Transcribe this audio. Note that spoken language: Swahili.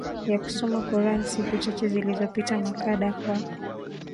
ya kusoma Quran Siku chache zilizopita makada wa